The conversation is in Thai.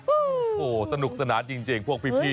โอ้โหสนุกสนานจริงพวกพี่